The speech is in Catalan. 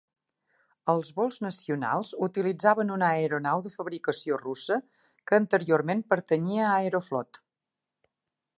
Els vols nacionals utilitzaven una aeronau de fabricació russa que anteriorment pertanyia a Aeroflot.